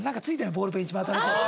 ボールペン一番新しいやつ。